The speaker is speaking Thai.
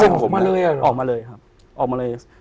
ใช่ครับออกมาเลยครับ